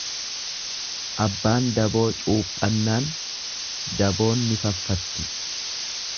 Abbaan daboo cuuphannaan daboon ni faffatti.